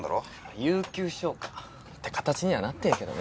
有給消化って形にはなってるけどね